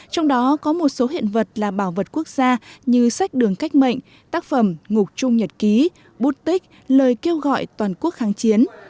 trong đó có một số hiện vật là bảo vật quốc gia như sách đường cách mệnh tác phẩm ngục trung nhật ký bút tích lời kêu gọi toàn quốc kháng chiến